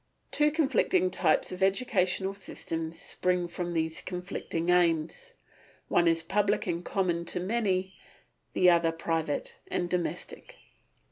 Two conflicting types of educational systems spring from these conflicting aims. One is public and common to many, the other private and domestic.